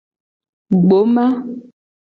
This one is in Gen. Gboma.